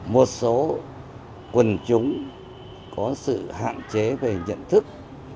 một số quần chúng có sự hạn chế về nhận thức